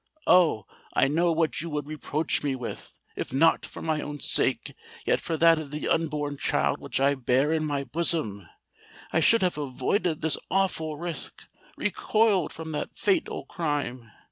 "Oh! I know what you would reproach me with! If not for my own sake—yet for that of the unborn child which I bear in my bosom, I should have avoided this awful risk—recoiled from that fatal crime!